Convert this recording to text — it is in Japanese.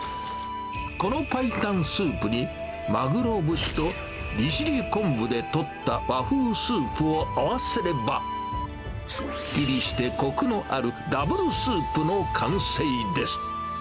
この白湯スープに、マグロ節と、利尻昆布でとった和風スープを合わせれば、すっきりしてこくのあるダブルスープの完成です。